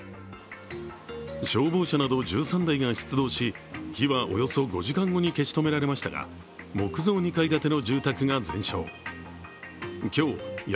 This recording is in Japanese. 消防車など１３台が出動し火はおよそ５時間後に消し止められましたが木造２階建ての住宅が全焼。